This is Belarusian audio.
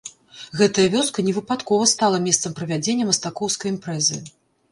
Гэтая вёска невыпадкова стала месцам правядзення мастакоўскай імпрэзы.